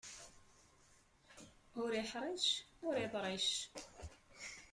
Ur iḥṛic, ur iḍric.